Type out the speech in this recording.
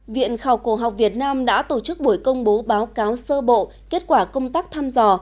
viện khảo cổ học việt nam đã tổ chức buổi công bố báo cáo sơ bộ kết quả công tác thăm dò